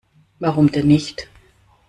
Warum denn nicht?